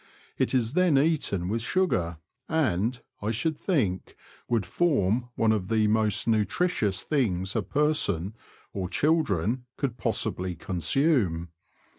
It is then eaten with sugar, and, I should think, would form one of the most nutritious things a person (or children) could possibly consume.